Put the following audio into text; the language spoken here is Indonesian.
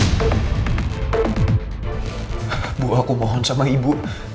ibu aku mohon sama ibu